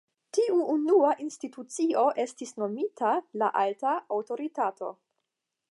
Tiu unua institucio estis nomita la "Alta Aŭtoritato".